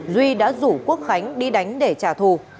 duy đã rủ quốc khánh đi đánh để trả thù